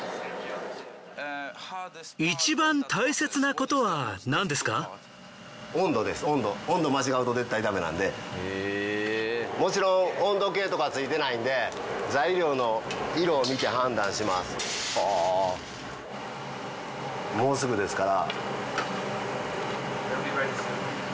これでもちろん温度計とかついてないんでもうすぐですから。